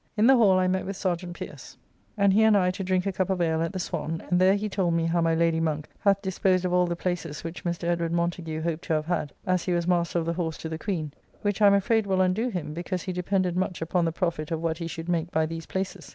In the Hall I met with Serjeant Pierce; and he and I to drink a cup of ale at the Swan, and there he told me how my Lady Monk hath disposed of all the places which Mr. Edwd. Montagu hoped to have had, as he was Master of the Horse to the Queen; which I am afraid will undo him, because he depended much upon the profit of what he should make by these places.